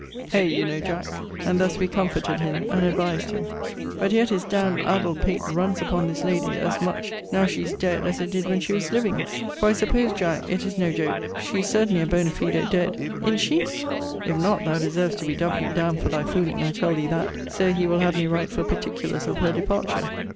Hay, you know, Jack! And thus we comforted him, and advised him. But yet his d d addled pate runs upon this lady as much now she's dead as it did when she was living. For, I suppose, Jack, it is no joke: she is certainly and bonâ fide dead: I'n't she? If not, thou deservest to be doubly d d for thy fooling, I tell thee that. So he will have me write for particulars of her departure.